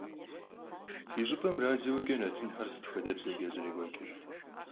Fi ş'ıp'em radioç'e netınxer sıt xuedebzeç'e zerêk'ueç'ır?